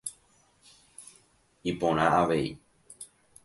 Iporã avei.